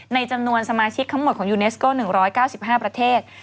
ในจำนวนสมาชิกทั้งหมดของยูเนสโก้๑๙๕ประเทศ